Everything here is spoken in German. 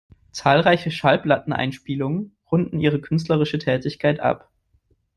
Zahlreiche Schallplatteneinspielungen runden ihre künstlerische Tätigkeit ab.